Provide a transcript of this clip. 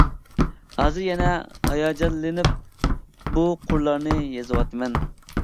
ھازىر يەنە ھاياجانلىنىپ بۇ قۇرلارنى يېزىۋاتىمەن.